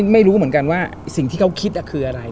ไม่รู้เหมือนกันว่าสิ่งที่เขาคิดคืออะไร